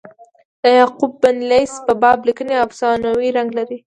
د یعقوب بن لیث په باب لیکني افسانوي رنګ لري.